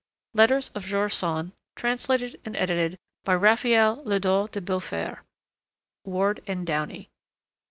Letters of George Sand. Translated and edited by Raphael Ledos de Beaufort. (Ward and Downey.)